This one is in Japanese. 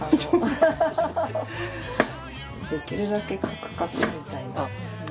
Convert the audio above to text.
できるだけカクカクみたいな。